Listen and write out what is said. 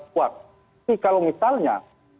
kuat tapi kalau misalnya